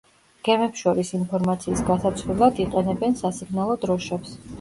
გემებს შორის ინფორმაციის გასაცვლელად იყენებენ სასიგნალო დროშებს.